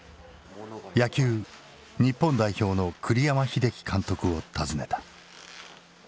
野球日本代表の栗山英樹監督を訪ねた。